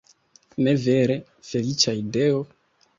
Ne vere, feliĉa ideo?